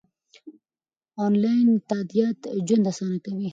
انلاین تادیات ژوند اسانه کوي.